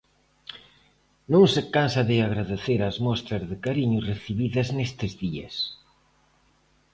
Non se cansa de agradecer as mostras de cariño recibidas nestes días.